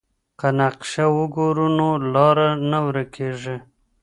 که نقشه وګورو نو لار نه ورکيږي.